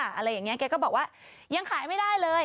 อะไรอย่างนี้แกก็บอกว่ายังขายไม่ได้เลย